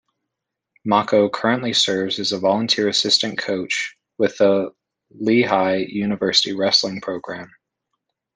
Mocco currently serves as a volunteer assistant coach with the Lehigh University wrestling program.